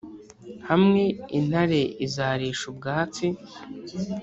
Hamwe intare izarisha ubwatsi